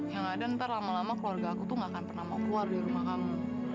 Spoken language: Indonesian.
yang ada nanti lama lama keluarga aku tuh gak akan pernah mau keluar di rumah kamu